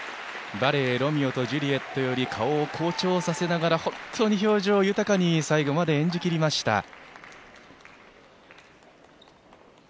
バレエ「ロミオとジュリエット」より顔を紅潮させながら本当に表情豊かに最後まで演じきりました。